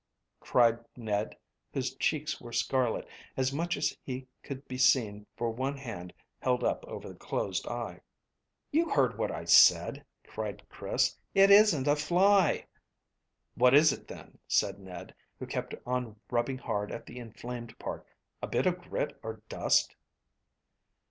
cried Ned, whose cheeks were scarlet, as much as could be seen for one hand held over the closed eye. "You heard what I said," cried Chris. "It isn't a fly." "What is it, then?" said Ned, who kept on rubbing hard at the inflamed part. "A bit of grit or dust?"